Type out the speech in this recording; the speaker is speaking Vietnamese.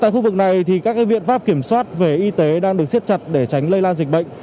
tại khu vực này các biện pháp kiểm soát về y tế đang được siết chặt để tránh lây lan dịch bệnh